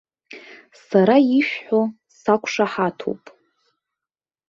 Сара ишәҳәо сақәшаҳаҭуп.